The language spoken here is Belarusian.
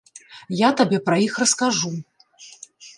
Я табе пра іх раскажу.